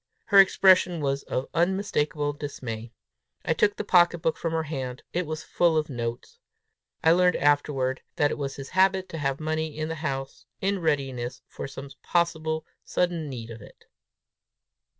Her expression was of unmistakable dismay. I took the pocket book from her hand: it was full of notes! I learned afterward, that it was his habit to have money in the house, in readiness for some possible sudden need of it.